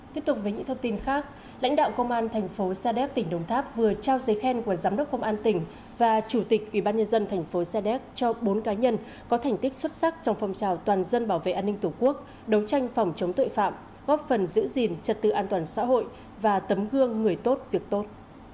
tiếp tục với những thông tin khác lãnh đạo công an thành phố sa đéc tỉnh đồng tháp vừa trao giấy khen của giám đốc công an tỉnh và chủ tịch ubnd tp sa đéc cho bốn cá nhân có thành tích xuất sắc trong phong trào toàn dân bảo vệ an ninh tổ quốc đấu tranh phòng chống tội phạm góp phần giữ gìn trật tự an toàn xã hội và tấm gương người tốt việc tốt